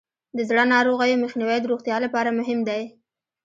د زړه ناروغیو مخنیوی د روغتیا لپاره مهم دی.